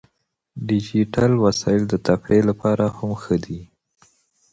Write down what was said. ډیجیټل وسایل د تفریح لپاره هم ښه دي.